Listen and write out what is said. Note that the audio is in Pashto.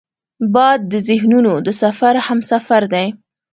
باد د ذهنونو د سفر همسفر دی